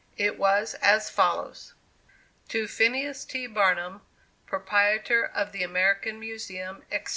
It was as follows: "TO PHINEAS T. BARNUM, PROPRIETOR OF THE AMERICAN MUSEUM, ETC.